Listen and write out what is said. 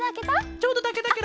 ちょうどたけたケロ！